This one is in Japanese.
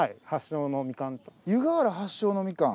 湯河原発祥のみかん？